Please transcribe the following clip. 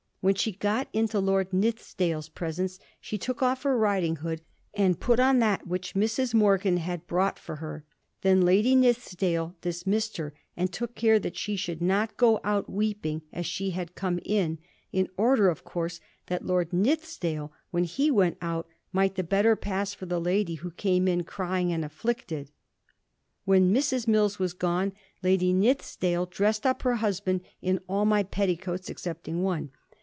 When she got into Lord Nithisdale's presence she took off her riding hood, and put on that which Mrs. Morgan had brought for her. Then Lady Nithisdale dismissed her, and took care that she should not go out weeping as she had come in, in order, of course, that Lord Nithisdale, when he went out, ' might the better pass for the lady who came in crying and afflicted.' When Mrs. MiUs was gone, Lady Nithisdale dressed up her husband ^ in all my petticoats excepting one.'